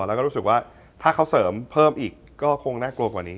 แล้วก็รู้สึกว่าถ้าเขาเสริมเพิ่มอีกก็คงน่ากลัวกว่านี้